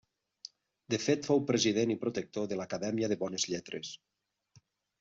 De fet fou president i protector de l'Acadèmia de Bones Lletres.